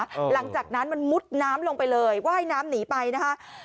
หลังจากนั้นมันมุดน้ำลงไปเลยว่ายน้ำหนีไปนะคะ